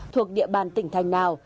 thuộc địa bàn tỉnh thành nào